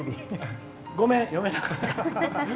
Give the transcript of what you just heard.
ごめん、読めなかった。